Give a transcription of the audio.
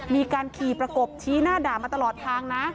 มีการขี่ประกบชี้หน้าด่ามาตลอดทางนะ